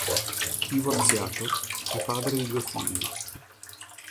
Divorziato, è padre di due figli.